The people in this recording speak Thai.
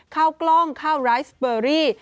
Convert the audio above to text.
ข้าวกล้องข้าวไรสเบอรี่